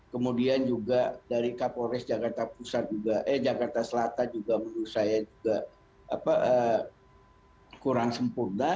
kemudian juga dari kapolres jakarta selatan menurut saya juga kurang sempurna